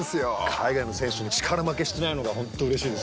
海外の選手に力負けしてないのが本当うれしいですよね。